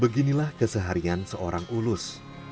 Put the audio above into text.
beginilah keseharian seorang ulus